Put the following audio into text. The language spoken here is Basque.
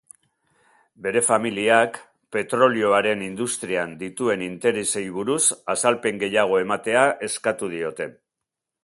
Bere familiak petrolioaren industrian dituen interesei buruz azalpen gehiago ematea eskatu diote.